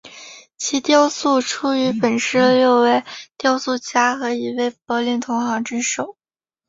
其雕塑出于本市六位雕塑家和一位柏林同行之手。